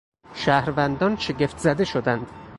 شهروندان شگفت زده شدند.